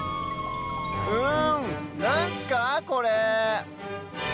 うんなんすかこれ？